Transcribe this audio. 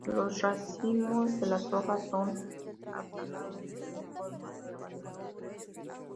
Los racimos de las hojas son aplanados en forma de abanico.